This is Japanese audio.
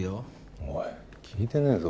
おい聞いてねえぞ。